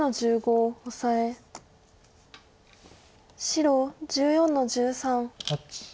白１４の十三。